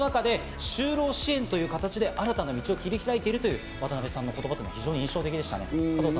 ただその中で就労支援という形で、新たな道を切り開いているという渡部さんの言葉、非常に印象的でしたね。